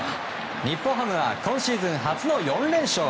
日本ハムは今シーズン初の４連勝。